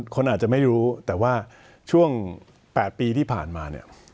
คนอาจจะไม่รู้แต่ว่าช่วง๘ปีที่ผ่านมาเนี่ย